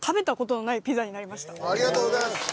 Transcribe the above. ありがとうございます。